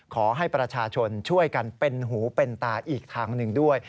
ขอให้ประชาชนช่วยกันเป็นหูเป็นตาอีกทางหนึ่งด้วย